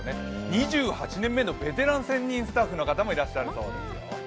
２８年目のベテラン専任スタッフの方もいらっしゃるそうです。